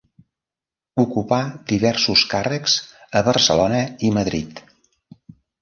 Ocupà diversos càrrecs a Barcelona i Madrid.